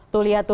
tuh lihat tuh